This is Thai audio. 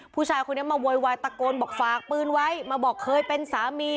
ผู้ชายคนนี้มาโวยวายตะโกนบอกฝากปืนไว้มาบอกเคยเป็นสามี